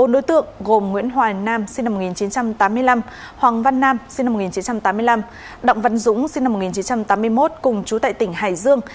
bốn đối tượng gồm nguyễn hoài nam sinh năm một nghìn chín trăm tám mươi năm hoàng văn nam sinh năm một nghìn chín trăm tám mươi năm đặng văn dũng sinh năm một nghìn chín trăm tám mươi một cùng chú tại tỉnh hải dương